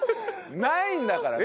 ないんだから。